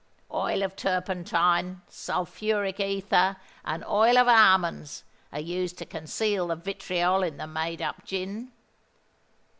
Oil of turpentine, sulphuric æther, and oil of almonds are used to conceal the vitriol in the made up gin.